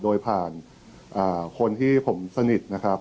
และการแสดงสมบัติของแคนดิเดตนายกนะครับ